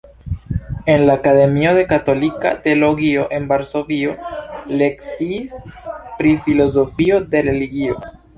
En la Akademio de Katolika Teologio en Varsovio lekciis pri filozofio de religio.